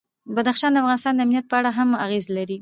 بدخشان د افغانستان د امنیت په اړه هم اغېز لري.